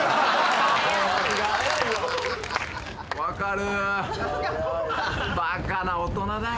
分かる。